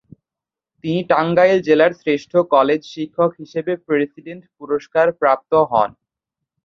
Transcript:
তিনি টাঙ্গাইল জেলার শ্রেষ্ঠ কলেজ শিক্ষক হিসেবে প্রেসিডেন্ট পুরস্কার প্রাপ্ত হন।